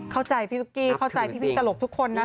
เข้าใจพี่ทุกกี้เข้าใจพี่ตลกทุกคนนะ